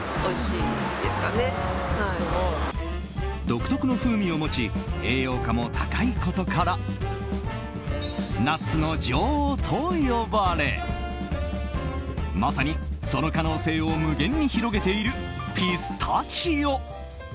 独特の風味を持ち栄養価も高いことからナッツの女王と呼ばれまさにその可能性を無限に広げているピスタチオ。